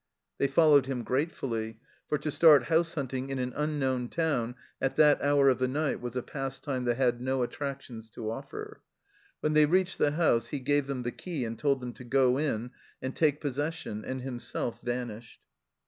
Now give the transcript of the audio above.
They followed him gratefully, for to start house hunting in an unknown town at that hour of the night was a pastime that had no attractions to offer. When they reached the house, he gave them the key and told them to go in and take posses sion, and himself vanished.